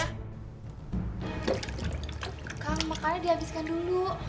kang makanya dihabiskan dulu